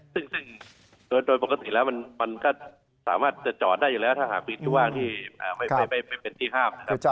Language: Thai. ซึ่งโดยปกติแล้วจะจอดได้อยู่แล้วถ้าหาพิษที่หว่างใครไม่เป็นที่ข้าม